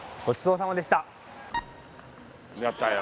やったよ。